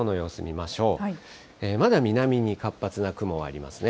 まだ南に活発な雲はありますね。